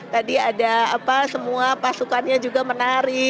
tadi ada apa semua pasukannya juga menari